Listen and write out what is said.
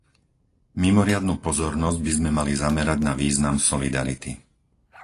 Mimoriadnu pozornosť by sme mali zamerať na význam solidarity.